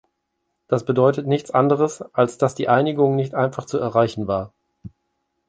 Das bedeutet nichts anderes, als dass die Einigung nicht einfach zu erreichen war.